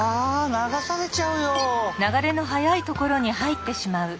流されちゃうよ！